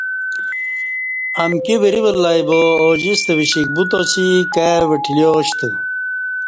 امکی وری ولئ با اوجِستہ وِشیک بُوتاسِی کائی وٹلیاشتہ